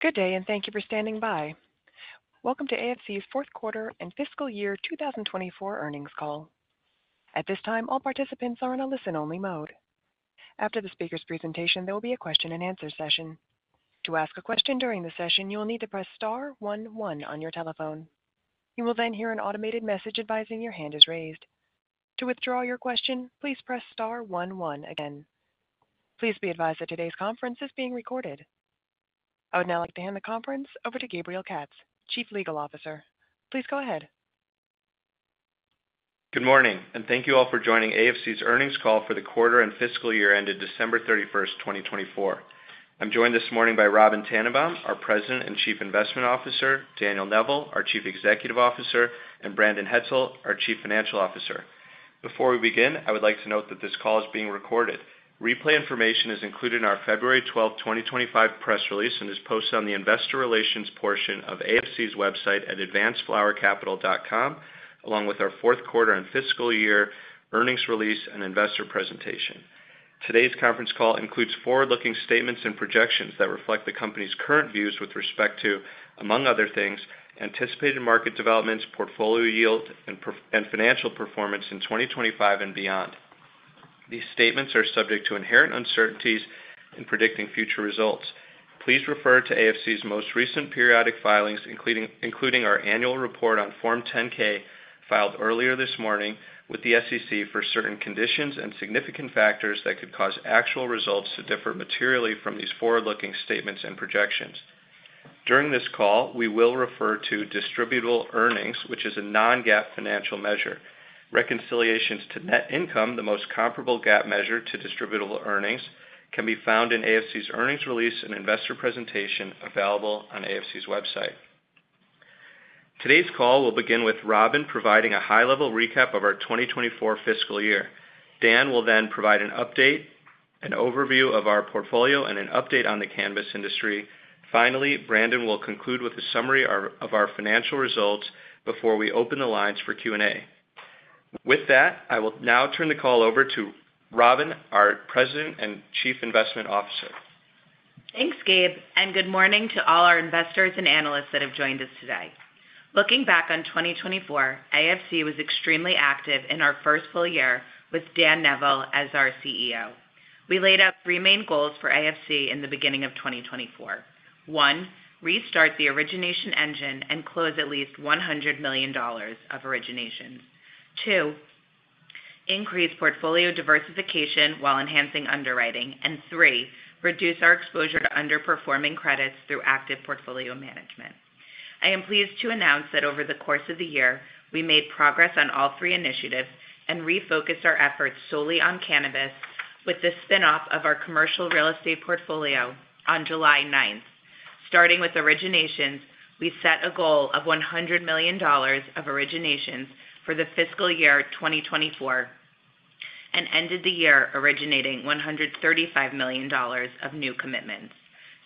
Good day, and thank you for standing by. Welcome to AFC's fourth quarter and fiscal year 2024 earnings call. At this time, all participants are in a listen-only mode. After the speaker's presentation, there will be a question-and-answer session. To ask a question during the session, you will need to press star one one on your telephone. You will then hear an automated message advising your hand is raised. To withdraw your question, please press star one one again. Please be advised that today's conference is being recorded. I would now like to hand the conference over to Gabriel Katz, Chief Legal Officer. Please go ahead. Good morning, and thank you all for joining AFC's earnings call for the quarter and fiscal year ended December 31, 2024. I'm joined this morning by Robyn Tannenbaum, our President and Chief Investment Officer; Daniel Neville, our Chief Executive Officer; and Brandon Hetzel, our Chief Financial Officer. Before we begin, I would like to note that this call is being recorded. Replay information is included in our February 12, 2025, press release, and is posted on the investor relations portion of AFC's website at advancedflowercapital.com, along with our fourth quarter and fiscal year earnings release and investor presentation. Today's conference call includes forward-looking statements and projections that reflect the company's current views with respect to, among other things, anticipated market developments, portfolio yield, and financial performance in 2025 and beyond. These statements are subject to inherent uncertainties in predicting future results. Please refer to AFC's most recent periodic filings, including our annual report on Form 10-K filed earlier this morning with the SEC for certain conditions and significant factors that could cause actual results to differ materially from these forward-looking statements and projections. During this call, we will refer to distributable earnings, which is a non-GAAP financial measure. Reconciliations to net income, the most comparable GAAP measure to distributable earnings, can be found in AFC's earnings release and investor presentation available on AFC's website. Today's call will begin with Robyn providing a high-level recap of our 2024 fiscal year. Dan will then provide an update, an overview of our portfolio, and an update on the cannabis industry. Finally, Brandon will conclude with a summary of our financial results before we open the lines for Q&A. With that, I will now turn the call over to Robyn, our President and Chief Investment Officer. Thanks, Gabe, and good morning to all our investors and analysts that have joined us today. Looking back on 2024, AFC was extremely active in our first full year with Dan Neville as our CEO. We laid out three main goals for AFC in the beginning of 2024. One, restart the origination engine and close at least $100 million of originations. Two, increase portfolio diversification while enhancing underwriting. Three, reduce our exposure to underperforming credits through active portfolio management. I am pleased to announce that over the course of the year, we made progress on all three initiatives and refocused our efforts solely on cannabis with the spinoff of our commercial real estate portfolio on July 9. Starting with originations, we set a goal of $100 million of originations for the fiscal year 2024 and ended the year originating $135 million of new commitments.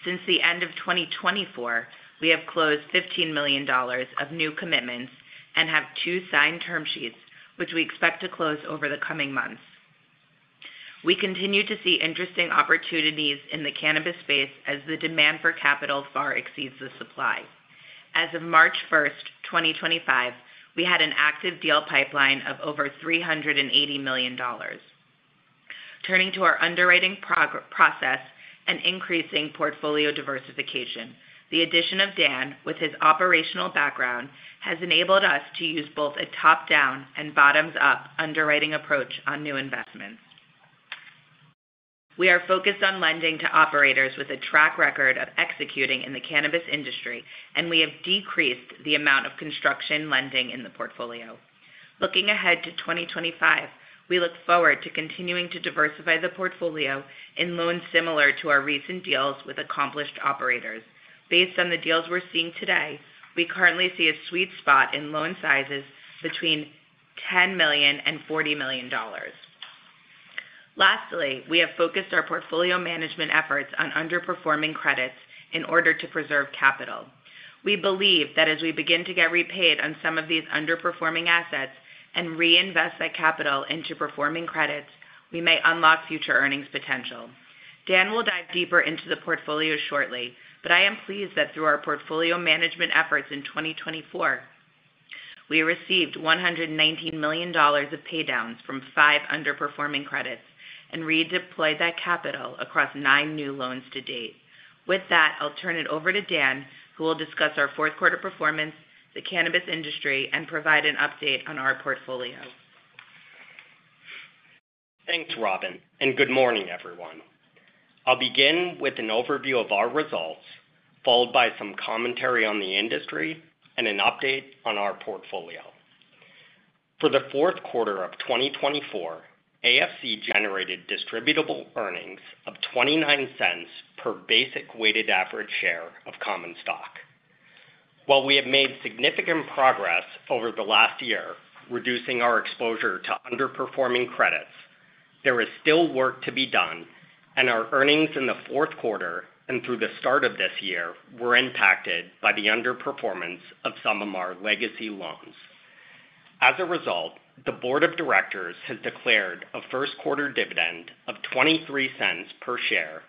Since the end of 2024, we have closed $15 million of new commitments and have two signed term sheets, which we expect to close over the coming months. We continue to see interesting opportunities in the cannabis space as the demand for capital far exceeds the supply. As of March 1, 2025, we had an active deal pipeline of over $380 million. Turning to our underwriting process and increasing portfolio diversification, the addition of Dan, with his operational background, has enabled us to use both a top-down and bottoms-up underwriting approach on new investments. We are focused on lending to operators with a track record of executing in the cannabis industry, and we have decreased the amount of construction lending in the portfolio. Looking ahead to 2025, we look forward to continuing to diversify the portfolio in loans similar to our recent deals with accomplished operators. Based on the deals we're seeing today, we currently see a sweet spot in loan sizes between $10 million and $40 million. Lastly, we have focused our portfolio management efforts on underperforming credits in order to preserve capital. We believe that as we begin to get repaid on some of these underperforming assets and reinvest that capital into performing credits, we may unlock future earnings potential. Dan will dive deeper into the portfolio shortly, but I am pleased that through our portfolio management efforts in 2024, we received $119 million of paydowns from five underperforming credits and redeployed that capital across nine new loans to date. With that, I'll turn it over to Dan, who will discuss our fourth quarter performance, the cannabis industry, and provide an update on our portfolio. Thanks, Robyn, and good morning, everyone. I'll begin with an overview of our results, followed by some commentary on the industry and an update on our portfolio. For the fourth quarter of 2024, AFC generated distributable earnings of $0.29 per basic weighted average share of common stock. While we have made significant progress over the last year, reducing our exposure to underperforming credits, there is still work to be done, and our earnings in the fourth quarter and through the start of this year were impacted by the underperformance of some of our legacy loans. As a result, the Board of Directors has declared a first-quarter dividend of $0.23 per share,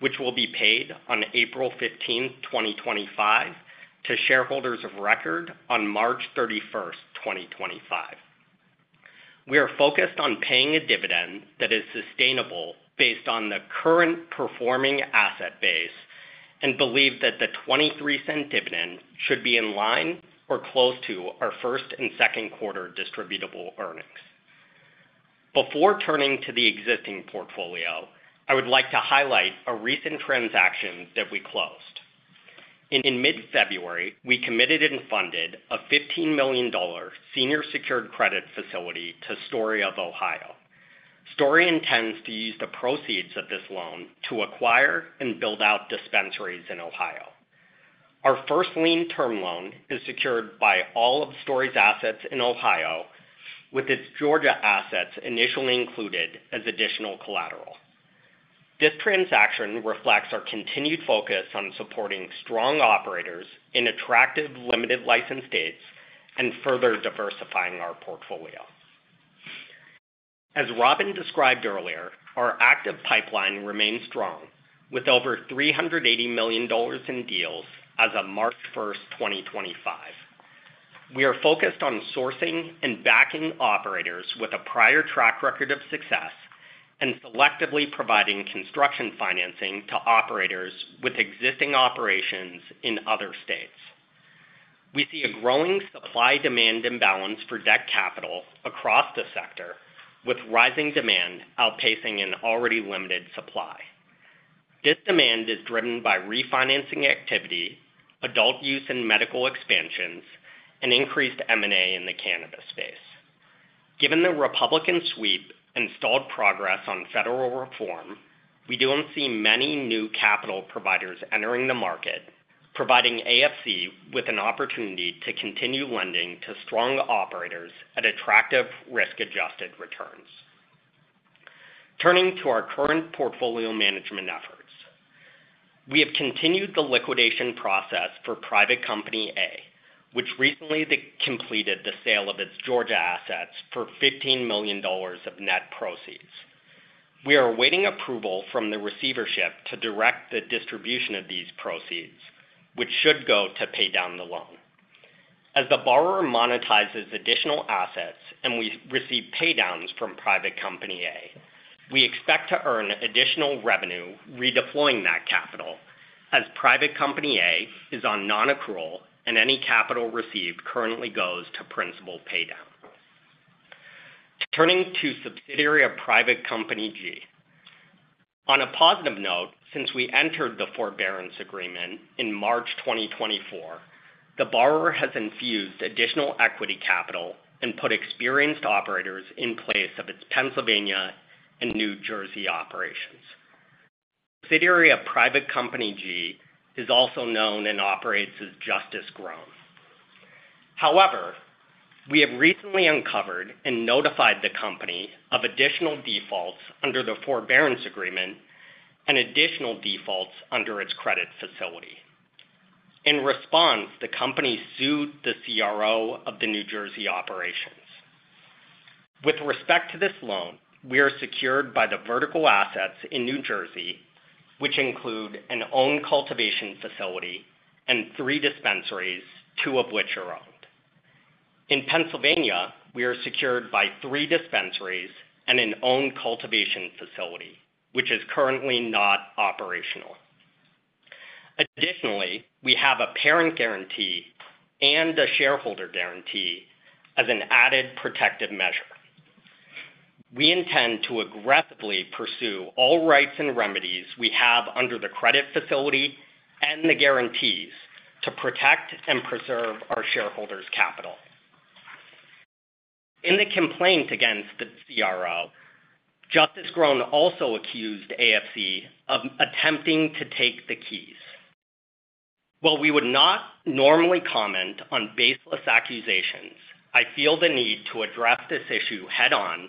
which will be paid on April 15th, 2025, to shareholders of record on March 31st, 2025. We are focused on paying a dividend that is sustainable based on the current performing asset base and believe that the $0.23 dividend should be in line or close to our first and second quarter distributable earnings. Before turning to the existing portfolio, I would like to highlight a recent transaction that we closed. In mid-February, we committed and funded a $15 million senior secured credit facility to Story of Ohio. Story intends to use the proceeds of this loan to acquire and build out dispensaries in Ohio. Our first lien-term loan is secured by all of Story's assets in Ohio, with its Georgia assets initially included as additional collateral. This transaction reflects our continued focus on supporting strong operators in attractive limited-license states and further diversifying our portfolio. As Robyn described earlier, our active pipeline remains strong, with over $380 million in deals as of March 1, 2025. We are focused on sourcing and backing operators with a prior track record of success and selectively providing construction financing to operators with existing operations in other states. We see a growing supply-demand imbalance for debt capital across the sector, with rising demand outpacing an already limited supply. This demand is driven by refinancing activity, adult use in medical expansions, and increased M&A in the cannabis space. Given the Republican sweep and stalled progress on federal reform, we do not see many new capital providers entering the market, providing AFC with an opportunity to continue lending to strong operators at attractive risk-adjusted returns. Turning to our current portfolio management efforts, we have continued the liquidation process for Private Company A, which recently completed the sale of its Georgia assets for $15 million of net proceeds. We are awaiting approval from the receivership to direct the distribution of these proceeds, which should go to pay down the loan. As the borrower monetizes additional assets and we receive paydowns from Private Company A, we expect to earn additional revenue redeploying that capital as Private Company A is on non-accrual and any capital received currently goes to principal paydown. Turning to subsidiary of Private Company G. On a positive note, since we entered the forbearance agreement in March 2024, the borrower has infused additional equity capital and put experienced operators in place of its Pennsylvania and New Jersey operations. Subsidiary of Private Company G is also known and operates as Justice Grown. However, we have recently uncovered and notified the company of additional defaults under the forbearance agreement and additional defaults under its credit facility. In response, the company sued the CRO of the New Jersey operations. With respect to this loan, we are secured by the vertical assets in New Jersey, which include an owned cultivation facility and three dispensaries, two of which are owned. In Pennsylvania, we are secured by three dispensaries and an owned cultivation facility, which is currently not operational. Additionally, we have a parent guarantee and a shareholder guarantee as an added protective measure. We intend to aggressively pursue all rights and remedies we have under the credit facility and the guarantees to protect and preserve our shareholders' capital. In the complaint against the CRO, Justice Grown also accused AFC of attempting to take the keys. While we would not normally comment on baseless accusations, I feel the need to address this issue head-on,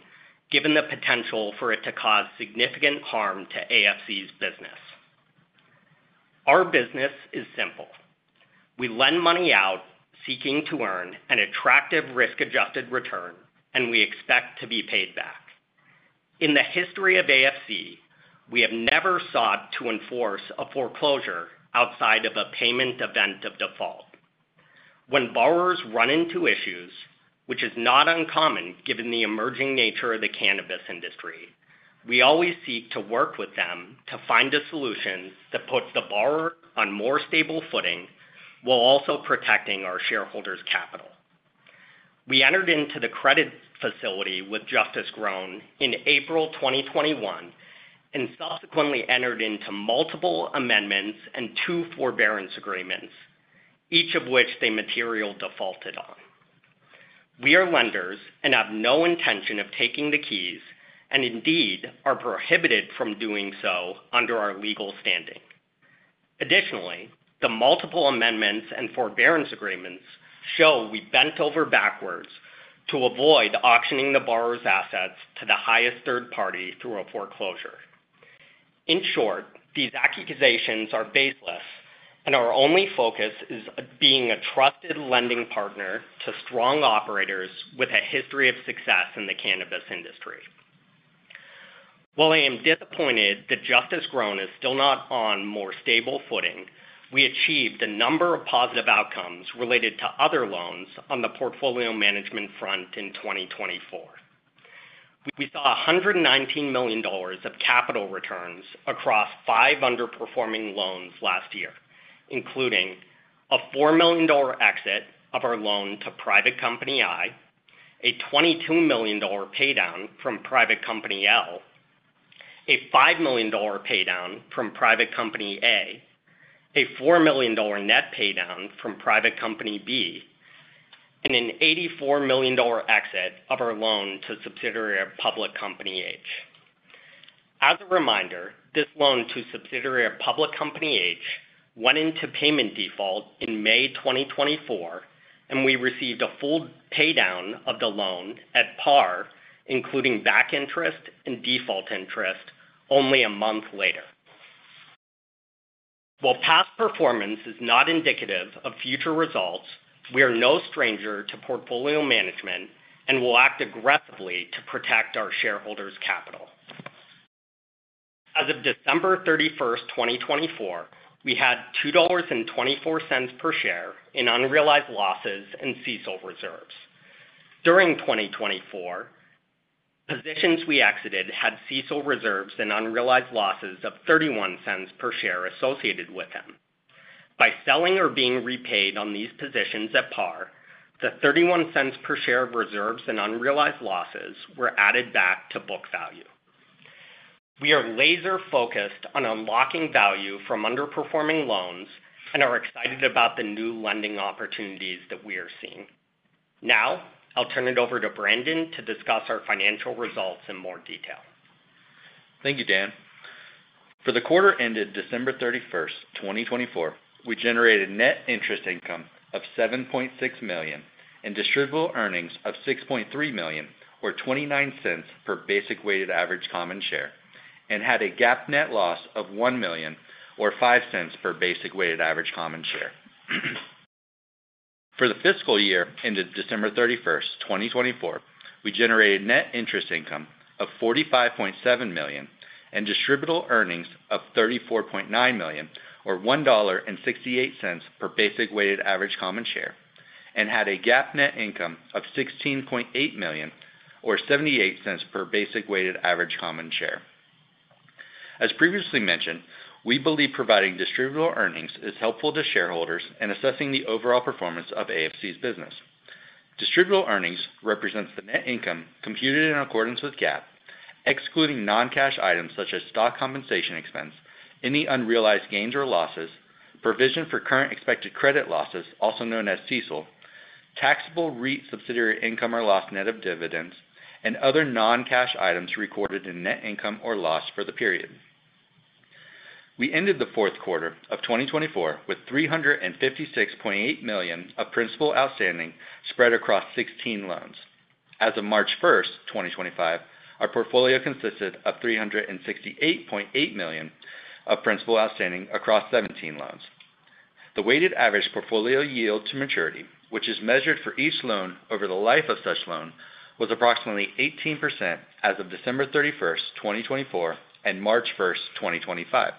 given the potential for it to cause significant harm to AFC's business. Our business is simple. We lend money out seeking to earn an attractive risk-adjusted return, and we expect to be paid back. In the history of AFC, we have never sought to enforce a foreclosure outside of a payment event of default. When borrowers run into issues, which is not uncommon given the emerging nature of the cannabis industry, we always seek to work with them to find a solution that puts the borrower on more stable footing while also protecting our shareholders' capital. We entered into the credit facility with Justice Grown in April 2021 and subsequently entered into multiple amendments and two forbearance agreements, each of which they materially defaulted on. We are lenders and have no intention of taking the keys and indeed are prohibited from doing so under our legal standing. Additionally, the multiple amendments and forbearance agreements show we bent over backwards to avoid auctioning the borrower's assets to the highest third party through a foreclosure. In short, these accusations are baseless, and our only focus is being a trusted lending partner to strong operators with a history of success in the cannabis industry. While I am disappointed that Justice Grown is still not on more stable footing, we achieved a number of positive outcomes related to other loans on the portfolio management front in 2024. We saw $119 million of capital returns across five underperforming loans last year, including a $4 million exit of our loan to Private Company I, a $22 million paydown from Private Company L, a $5 million paydown from Private Company A, a $4 million net paydown from Private Company B, and an $84 million exit of our loan to subsidiary of Public Company H. As a reminder, this loan to subsidiary of Public Company H went into payment default in May 2024, and we received a full paydown of the loan at par, including back interest and default interest, only a month later. While past performance is not indicative of future results, we are no stranger to portfolio management and will act aggressively to protect our shareholders' capital. As of December 31, 2024, we had $2.24 per share in unrealized losses and CECL reserves. During 2024, positions we exited had CECL reserves and unrealized losses of $0.31 per share associated with them. By selling or being repaid on these positions at par, the $0.31 per share of reserves and unrealized losses were added back to book value. We are laser-focused on unlocking value from underperforming loans and are excited about the new lending opportunities that we are seeing. Now, I'll turn it over to Brandon to discuss our financial results in more detail. Thank you, Dan. For the quarter ended December 31st, 2024, we generated net interest income of $7.6 million and distributable earnings of $6.3 million, or $0.29 per basic weighted average common share, and had a GAAP net loss of $1 million, or $0.05 per basic weighted average common share. For the fiscal year ended December 31st, 2024, we generated net interest income of $45.7 million and distributable earnings of $34.9 million, or $1.68 per basic weighted average common share, and had a GAAP net income of $16.8 million, or $0.78 per basic weighted average common share. As previously mentioned, we believe providing distributable earnings is helpful to shareholders in assessing the overall performance of AFC's business. Distributable earnings represents the net income computed in accordance with GAAP, excluding non-cash items such as stock compensation expense, any unrealized gains or losses, provision for Current Expected Credit Losses, also known as CECL, taxable REIT subsidiary income or loss net of dividends, and other non-cash items recorded in net income or loss for the period. We ended the fourth quarter of 2024 with $356.8 million of principal outstanding spread across 16 loans. As of March 1st, 2025, our portfolio consisted of $368.8 million of principal outstanding across 17 loans. The weighted average portfolio yield to maturity, which is measured for each loan over the life of such loan, was approximately 18% as of December 31st, 2024, and March 1st, 2025.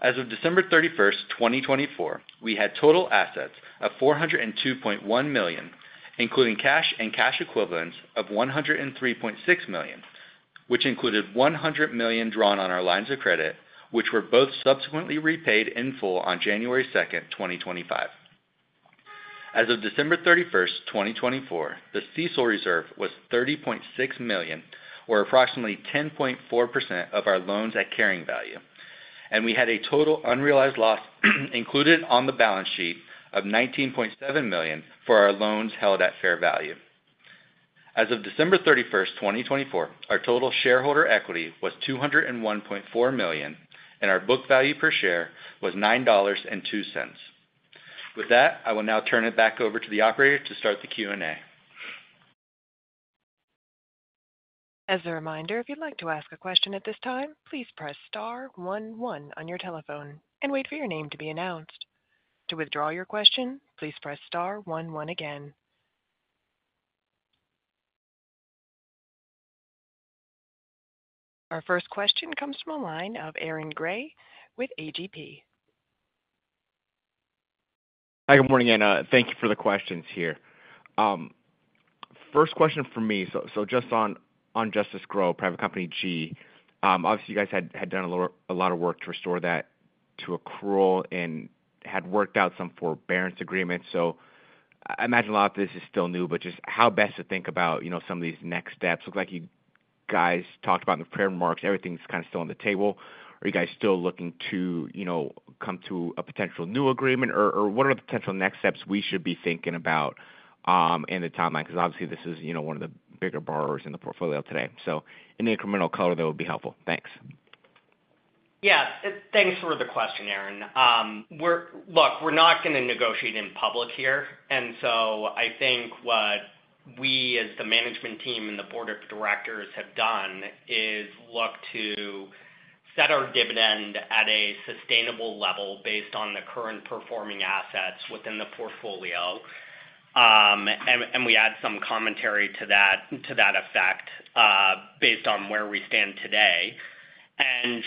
As of December 31, 2024, we had total assets of $402.1 million, including cash and cash equivalents of $103.6 million, which included $100 million drawn on our lines of credit, which were both subsequently repaid in full on January 2, 2025. As of December 31, 2024, the CECL reserve was $30.6 million, or approximately 10.4% of our loans at carrying value, and we had a total unrealized loss included on the balance sheet of $19.7 million for our loans held at fair value. As of December 31, 2024, our total shareholder equity was $201.4 million, and our book value per share was $9.02. With that, I will now turn it back over to the operator to start the Q&A. As a reminder, if you'd like to ask a question at this time, please press star one one on your telephone and wait for your name to be announced. To withdraw your question, please press star one one again. Our first question comes from a line of Aaron Grey with AGP. Hi, good morning, Ana. Thank you for the questions here. First question for me, just on Justice Grown, Private Company G, obviously you guys had done a lot of work to restore that to accrual and had worked out some forbearance agreements. I imagine a lot of this is still new, but just how best to think about some of these next steps. Looks like you guys talked about in the prior remarks, everything's kind of still on the table. Are you guys still looking to come to a potential new agreement, or what are the potential next steps we should be thinking about in the timeline? This is one of the bigger borrowers in the portfolio today. Any incremental color that would be helpful. Thanks. Yeah. Thanks for the question, Aaron. Look, we're not going to negotiate in public here. I think what we as the management team and the board of directors have done is look to set our dividend at a sustainable level based on the current performing assets within the portfolio. We add some commentary to that effect based on where we stand today.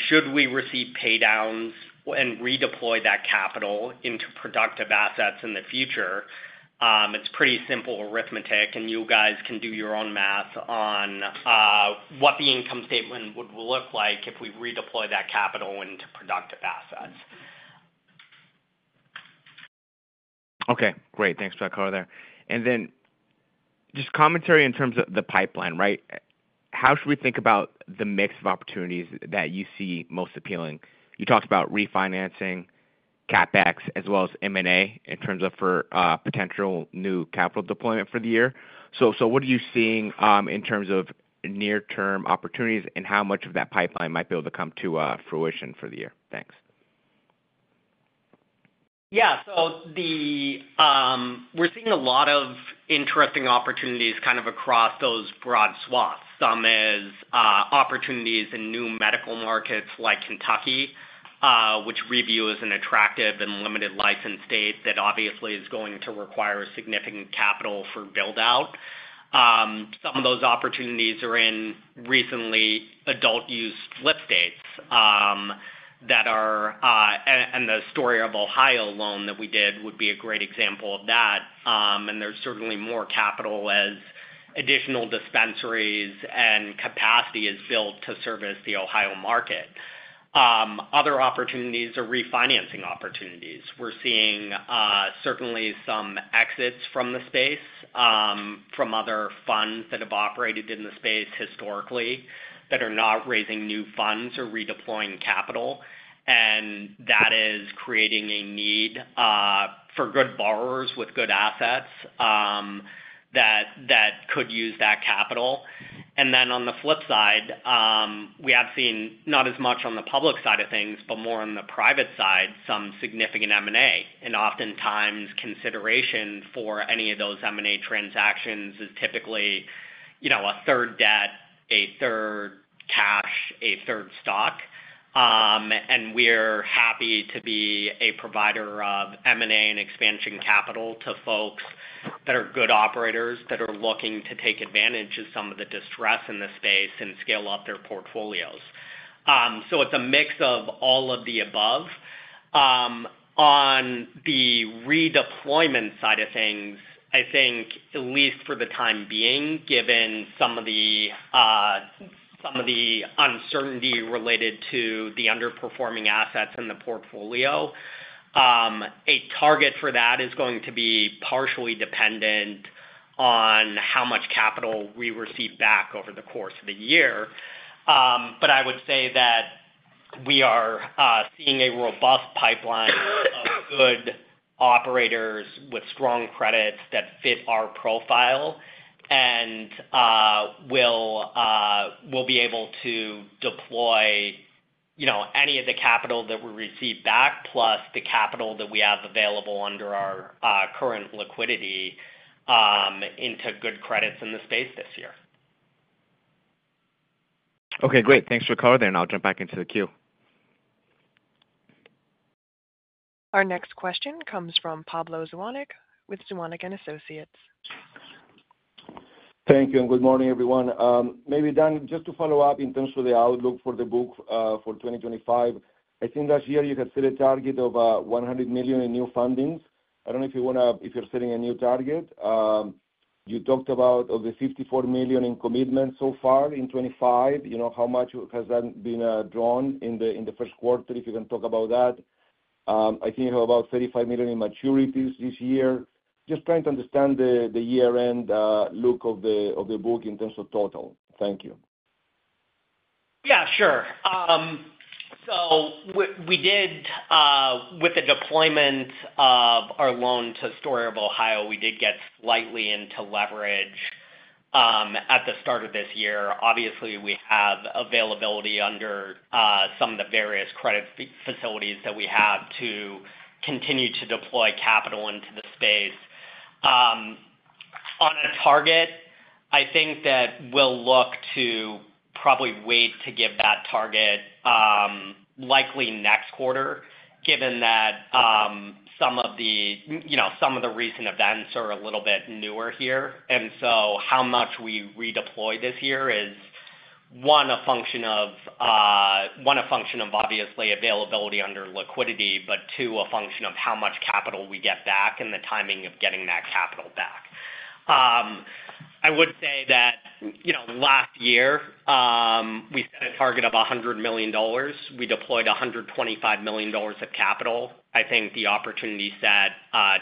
Should we receive paydowns and redeploy that capital into productive assets in the future, it's pretty simple arithmetic, and you guys can do your own math on what the income statement would look like if we redeploy that capital into productive assets. Okay. Great. Thanks for that color there. Then just commentary in terms of the pipeline, right? How should we think about the mix of opportunities that you see most appealing? You talked about refinancing, CapEx, as well as M&A in terms of for potential new capital deployment for the year. What are you seeing in terms of near-term opportunities and how much of that pipeline might be able to come to fruition for the year? Thanks. Yeah. We are seeing a lot of interesting opportunities kind of across those broad swaths. Some as opportunities in new medical markets like Kentucky, which we view as an attractive and limited license state that obviously is going to require significant capital for build-out. Some of those opportunities are in recently adult-use flip states that are—the Story Ohio loan that we did would be a great example of that. There is certainly more capital as additional dispensaries and capacity is built to service the Ohio market. Other opportunities are refinancing opportunities. We are seeing certainly some exits from the space from other funds that have operated in the space historically that are not raising new funds or redeploying capital. That is creating a need for good borrowers with good assets that could use that capital. On the flip side, we have seen not as much on the public side of things, but more on the private side, some significant M&A. Oftentimes, consideration for any of those M&A transactions is typically a third debt, a third cash, a third stock. We are happy to be a provider of M&A and expansion capital to folks that are good operators that are looking to take advantage of some of the distress in the space and scale up their portfolios. It is a mix of all of the above. On the redeployment side of things, I think, at least for the time being, given some of the uncertainty related to the underperforming assets in the portfolio, a target for that is going to be partially dependent on how much capital we receive back over the course of the year. I would say that we are seeing a robust pipeline of good operators with strong credits that fit our profile and will be able to deploy any of the capital that we receive back, plus the capital that we have available under our current liquidity into good credits in the space this year. Okay. Great. Thanks for the color there. I'll jump back into the queue. Our next question comes from Pablo Zuanic with Zuanic & Associates. Thank you. Good morning, everyone. Maybe, Dan, just to follow up in terms of the outlook for the book for 2025, I think last year you had set a target of $100 million in new fundings. I do not know if you are setting a new target. You talked about of the $54 million in commitments so far in 2025, how much has that been drawn in the first quarter if you can talk about that? I think you have about $35 million in maturities this year. Just trying to understand the year-end look of the book in terms of total. Thank you. Yeah, sure. With the deployment of our loan to Story of Ohio, we did get slightly into leverage at the start of this year. Obviously, we have availability under some of the various credit facilities that we have to continue to deploy capital into the space. On a target, I think that we'll look to probably wait to give that target likely next quarter, given that some of the recent events are a little bit newer here. How much we redeploy this year is, one, a function of obviously availability under liquidity, but two, a function of how much capital we get back and the timing of getting that capital back. I would say that last year we set a target of $100 million. We deployed $125 million of capital. I think the opportunity set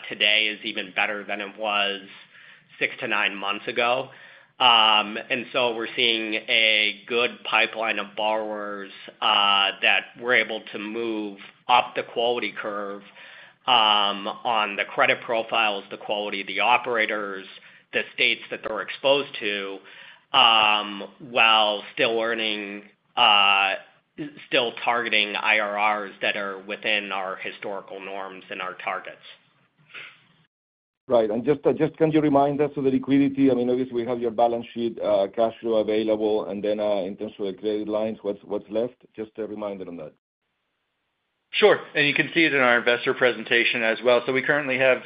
today is even better than it was six-nine months ago. We're seeing a good pipeline of borrowers that we're able to move up the quality curve on the credit profiles, the quality of the operators, the states that they're exposed to, while still targeting IRRs that are within our historical norms and our targets. Right. Can you remind us of the liquidity? I mean, obviously, we have your balance sheet cash flow available. In terms of the credit lines, what is left? Just a reminder on that. Sure. You can see it in our investor presentation as well. We currently have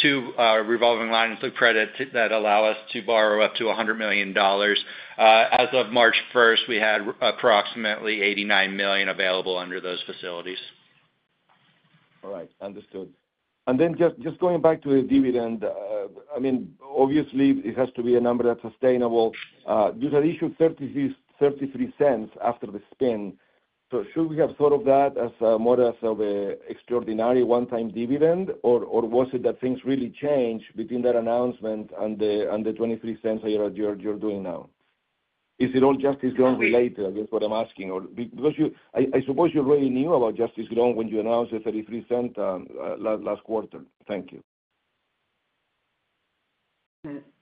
two revolving lines of credit that allow us to borrow up to $100 million. As of March 1st, we had approximately $89 million available under those facilities. All right. Understood. Just going back to the dividend, I mean, obviously, it has to be a number that's sustainable. You had issued $0.33 after the spin. Should we have thought of that as more as an extraordinary one-time dividend, or was it that things really changed between that announcement and the $0.23 that you're doing now? Is it all Justice Grown related, I guess, what I'm asking? Because I suppose you already knew about Justice Grown when you announced the $0.33 last quarter. Thank you.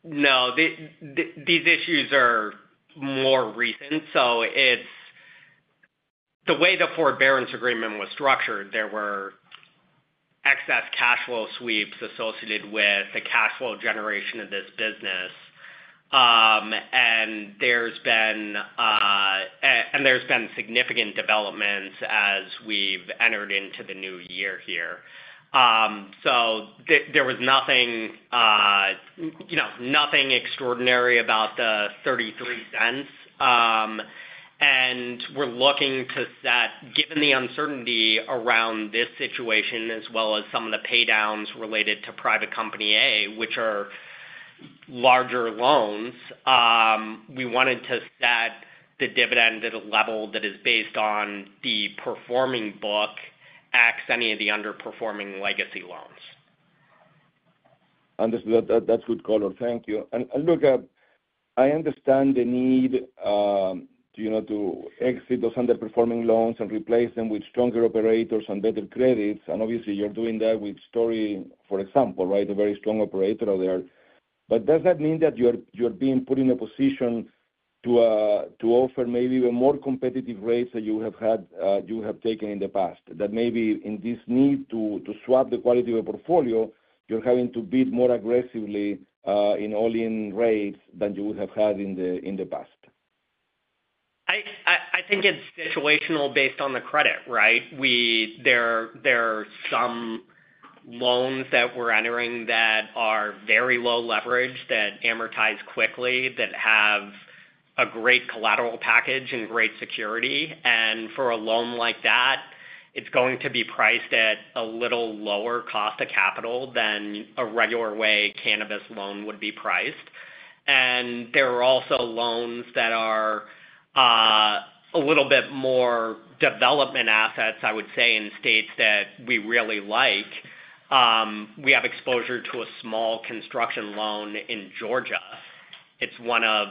No. These issues are more recent. The way the forbearance agreement was structured, there were excess cash flow sweeps associated with the cash flow generation of this business. There have been significant developments as we have entered into the new year here. There was nothing extraordinary about the $0.33. We are looking to set, given the uncertainty around this situation, as well as some of the paydowns related to Private Company A, which are larger loans, the dividend at a level that is based on the performing book ex any of the underperforming legacy loans. Understood. That's good color. Thank you. I understand the need to exit those underperforming loans and replace them with stronger operators and better credits. Obviously, you're doing that with Story, for example, right? A very strong operator out there. Does that mean that you're being put in a position to offer maybe even more competitive rates than you have taken in the past? That maybe in this need to swap the quality of a portfolio, you're having to bid more aggressively in all-in rates than you would have had in the past? I think it's situational based on the credit, right? There are some loans that we're entering that are very low leverage, that amortize quickly, that have a great collateral package and great security. For a loan like that, it's going to be priced at a little lower cost of capital than a regular way cannabis loan would be priced. There are also loans that are a little bit more development assets, I would say, in states that we really like. We have exposure to a small construction loan in Georgia. It's one of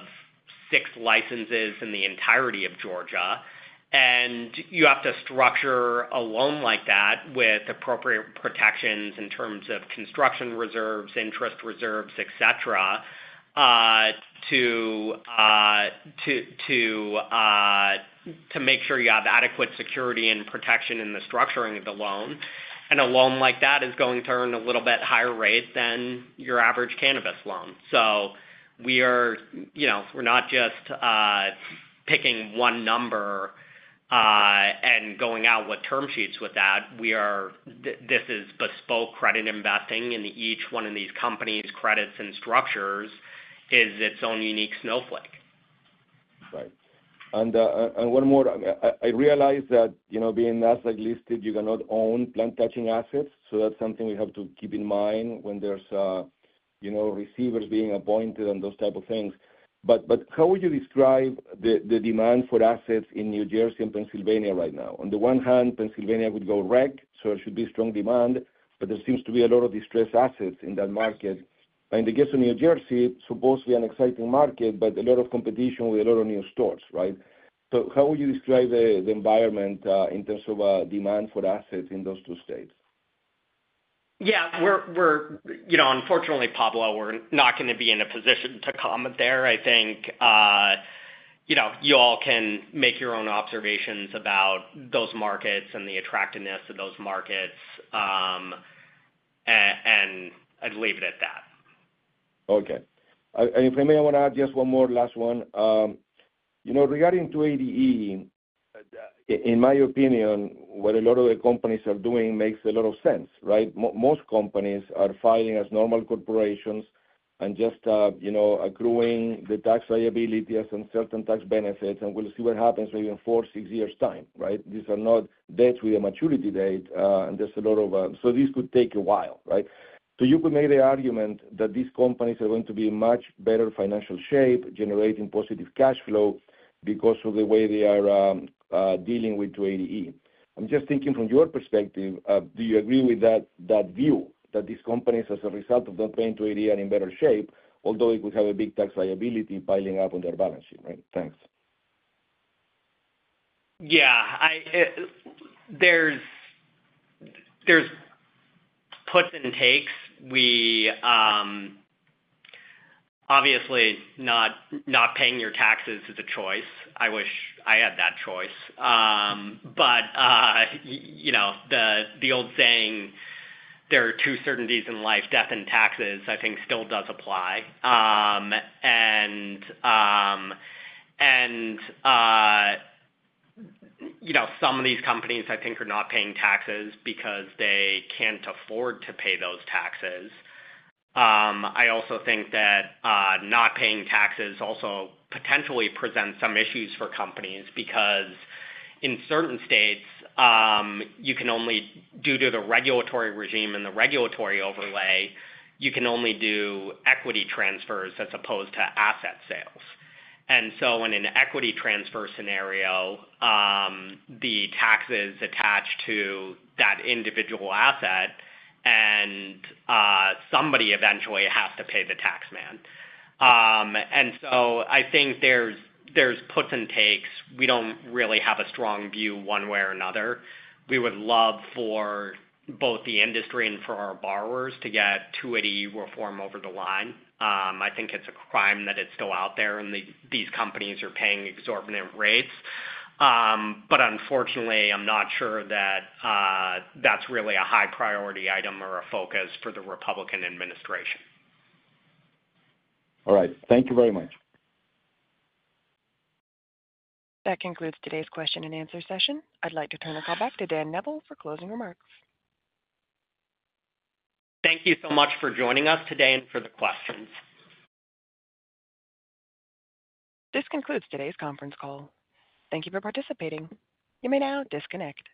six licenses in the entirety of Georgia. You have to structure a loan like that with appropriate protections in terms of construction reserves, interest reserves, etc., to make sure you have adequate security and protection in the structuring of the loan. A loan like that is going to earn a little bit higher rate than your average cannabis loan. We are not just picking one number and going out with term sheets with that. This is bespoke credit investing and each one of these companies' credits and structures is its own unique snowflake. Right. And one more. I realize that being NASDAQ-listed, you cannot own plant-touching assets. That is something we have to keep in mind when there is receivers being appointed and those type of things. How would you describe the demand for assets in New Jersey and Pennsylvania right now? On the one hand, Pennsylvania would go rec, so there should be strong demand, but there seems to be a lot of distressed assets in that market. In the case of New Jersey, supposedly an exciting market, but a lot of competition with a lot of new stores, right? How would you describe the environment in terms of demand for assets in those two states? Yeah. Unfortunately, Pablo, we're not going to be in a position to comment there. I think you all can make your own observations about those markets and the attractiveness of those markets. I'd leave it at that. Okay. If I may, I want to add just one more last one. Regarding 280E, in my opinion, what a lot of the companies are doing makes a lot of sense, right? Most companies are filing as normal corporations and just accruing the tax liability as uncertain tax benefits, and we'll see what happens maybe in four, six years' time, right? These are not debts with a maturity date, and there's a lot of so this could take a while, right? You could make the argument that these companies are going to be in much better financial shape, generating positive cash flow because of the way they are dealing with 280E. I'm just thinking from your perspective, do you agree with that view, that these companies, as a result of not paying 280E, are in better shape, although it could have a big tax liability piling up on their balance sheet, right? Thanks. Yeah. There are puts and takes. Obviously, not paying your taxes is a choice. I wish I had that choice. The old saying, "There are two certainties in life, death and taxes," I think still does apply. Some of these companies, I think, are not paying taxes because they cannot afford to pay those taxes. I also think that not paying taxes also potentially presents some issues for companies because in certain states, due to the regulatory regime and the regulatory overlay, you can only do equity transfers as opposed to asset sales. In an equity transfer scenario, the tax is attached to that individual asset, and somebody eventually has to pay the tax man. I think there are puts and takes. We do not really have a strong view one way or another. We would love for both the industry and for our borrowers to get 280E reform over the line. I think it's a crime that it's still out there and these companies are paying exorbitant rates. Unfortunately, I'm not sure that that's really a high-priority item or a focus for the Republican administration. All right. Thank you very much. That concludes today's question and answer session. I'd like to turn the call back to Dan Neville for closing remarks. Thank you so much for joining us today and for the questions. This concludes today's conference call. Thank you for participating. You may now disconnect.